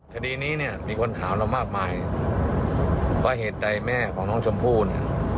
คดีนี้เนี่ยมีคนถามเรามากมายว่าเหตุใดแม่ของน้องชมพู่เนี่ย